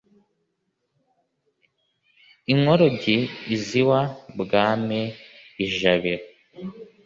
Inkorogi iz'iwa Bwami ijabiro,